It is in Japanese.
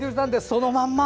そのまま！